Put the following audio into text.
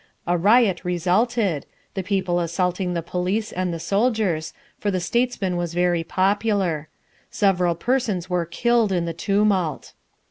A riot resulted, the people assaulting the police and the soldiers, for the statesman was extremely popular. Several persons were killed in the tumult.